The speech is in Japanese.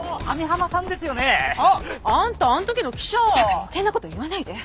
余計なこと言わないで。